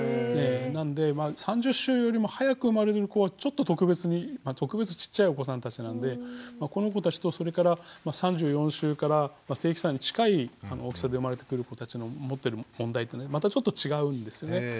なので３０週よりも早く生まれる子はちょっと特別に特別ちっちゃいお子さんたちなんでこの子たちとそれから３４週からまあ正期産に近い大きさで生まれてくる子たちの持ってる問題というのはまたちょっと違うんですね。